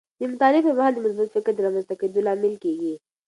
د مطالعې پر مهال د مثبت فکر د رامنځته کیدو لامل کیږي.